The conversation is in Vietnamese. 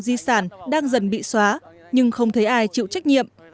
nhiều tài sản di sản đang dần bị xóa nhưng không thấy ai chịu trách nhiệm